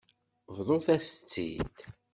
Bḍut-as-tt-id.